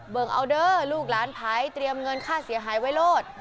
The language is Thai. เบิร์งเอาเด้อลูกหลานไภคตรียมเงินค่าเสียหายไว้โลก